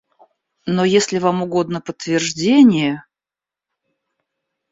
Но если вам угодно подтверждение...